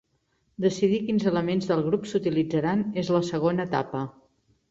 Decidir quins elements del grup s'utilitzaran és la segona etapa.